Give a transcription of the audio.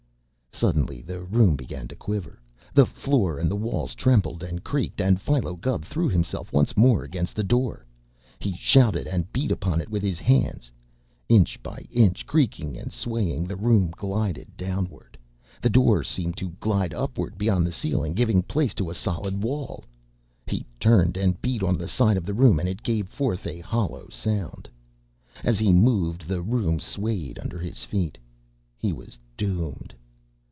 Suddenly the room began to quiver. The floor and the walls trembled and creaked, and Philo Gubb threw himself once more against the door. He shouted and beat upon it with his hands. Inch by inch, creaking and swaying, the room glided downward. The door seemed to glide upward beyond the ceiling, giving place to a solid wall. He turned and beat on the side of the room, and it gave forth a hollow sound. As he moved, the room swayed under his feet. He was doomed!